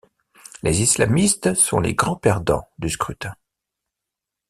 Les islamistes sont les grands perdants du scrutin.